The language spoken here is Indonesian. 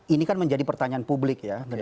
ini kan menjadi pertanyaan publik ya